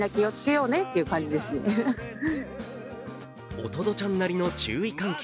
おとどちゃんなりの注意喚起。